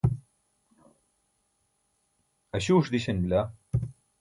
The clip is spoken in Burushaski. aśuuṣ diśan bila